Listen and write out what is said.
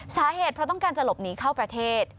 สาเหตุเพราะต้องการจะหลบหนีเข้าประเทศ